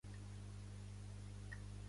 Has vist "Fair and Warmer"?